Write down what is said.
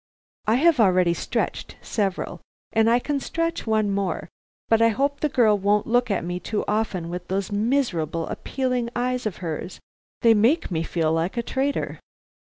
"I have already stretched several, and I can stretch one more, but I hope the girl won't look at me too often with those miserable appealing eyes of hers; they make me feel like a traitor."